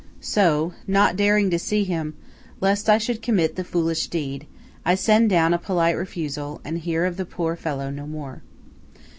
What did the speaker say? So–not daring to see him, lest I should commit the foolish deed–I send down a polite refusal, and hear of the poor fellow no more.